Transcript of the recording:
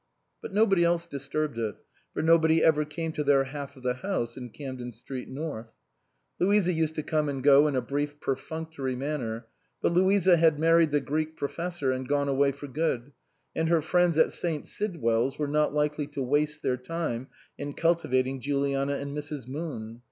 But nobody else disturbed it, for nobody ever came to their half of the house in Camden Street North. Louisa used to come and go in a brief perfunctory manner ; but Louisa had married the Greek professor and gone away for good, and her friends at St. Sidwell's were not likely to waste their time in cultivating Juliana and Mrs. Moon.